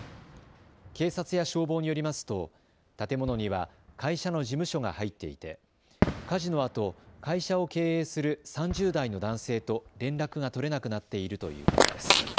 警察や消防によりますと建物には会社の事務所が入っていて火事のあと、会社を経営する３０代の男性と連絡が取れなくなっているということです。